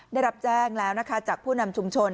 ได้รับแจ้งแล้วนะคะจากผู้นำชุมชน